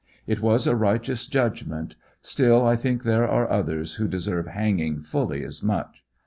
It was a righteous judg ment, still I think there are others who deserved hanging fully as much.